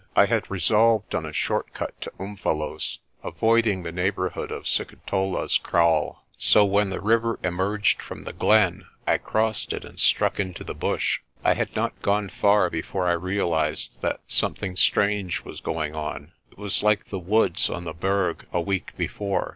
I had resolved on a short cut to Umvelos', avoiding the neighbourhood of Sikitola's kraal, so when the river emerged from the glen I crossed it and struck into the bush. I had not gone far before I realised that something strange was going on. It was like the woods on the Berg a week before.